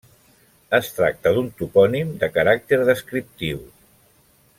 Es tracta d'un topònim de caràcter descriptiu.